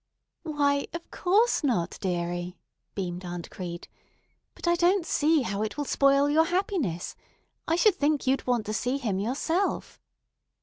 "Why, of course not, dearie," beamed Aunt Crete, "but I don't see how it will spoil your happiness. I should think you'd want to see him yourself."